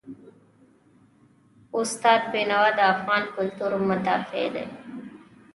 استاد بینوا د افغان کلتور مدافع و.